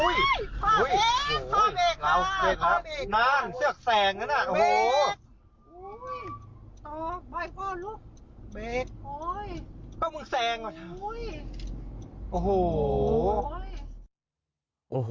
นานเสื้อกแซงนะน่ะโอ้โห